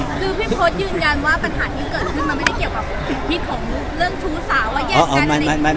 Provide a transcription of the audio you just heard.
คือพี่พฤตยืนยันว่าปัญหาที่เกิดขึ้นมันไม่ได้เกี่ยวกับผิดของเรื่องชูสาวว่าแย่งกันเลย